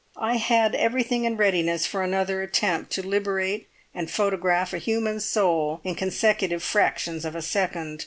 I had everything in readiness for another attempt to liberate and photograph a human soul in consecutive fractions of a second.